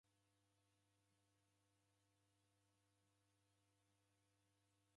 Sekta ya mashomo efwana ichurilo magome.